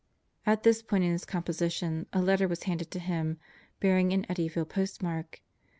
At this point in his composition a letter was handed to him bearing an Eddyville postmark.